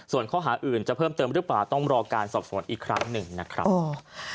ส่วนข้อหาอื่นจะเพิ่มเติมหรือเปล่าต้องรอการสอบสวนอีกครั้งหนึ่งนะครับ